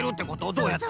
どうやって？